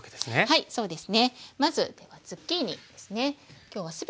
はいそうです。